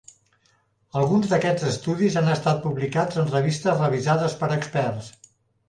Alguns d'aquests estudis han estat publicats en revistes revisades per experts.